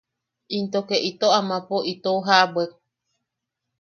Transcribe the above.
Into ke ito amapo itou ja’abwek.